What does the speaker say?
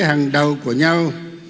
hàng đầu của nhau